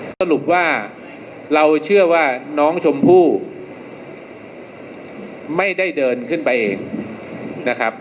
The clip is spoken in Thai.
สรุปว่าเราเชื่อว่าน้องชมพู่ไม่ได้เดินขึ้นไปเองนะครับ